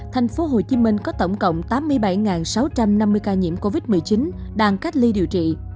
tp hcm có tổng cộng tám mươi bảy sáu trăm năm mươi ca nhiễm covid một mươi chín đang cách ly điều trị